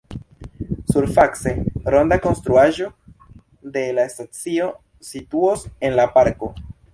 Surface, ronda konstruaĵo de la stacio situos en la parko.